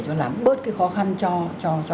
cho làm bớt cái khó khăn cho